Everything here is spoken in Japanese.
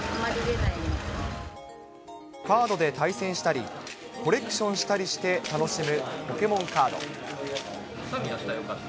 カードで対戦したり、コレクションしたりして楽しむポケモンカード。